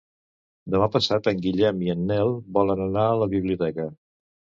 Demà passat en Guillem i en Nel volen anar a la biblioteca.